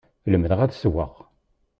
Lemdeɣ ad ssewweɣ.